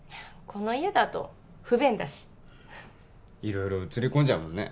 この家だと不便だし色々写り込んじゃうもんね